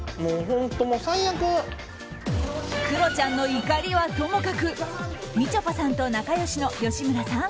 クロちゃんの怒りはともかくみちょぱさんと仲良しの吉村さん。